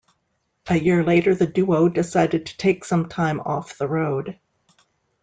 A year later the duo decided to take some time off the road.